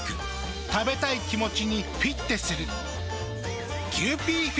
食べたい気持ちにフィッテする。